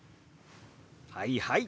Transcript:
はいはい。